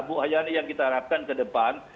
bu hayani yang kita harapkan ke depan